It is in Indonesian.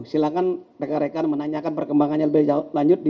silahkan rekan rekan menanyakan perkembangannya lebih lanjut di teman teman madaspori